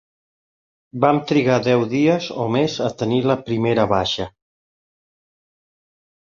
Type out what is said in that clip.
Vam trigar deu dies o més a tenir la primera baixa.